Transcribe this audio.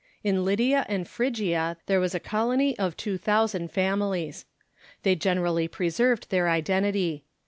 In Lydia and Phrygia there Avas a colony of two thousand families. They generally pre served their identity.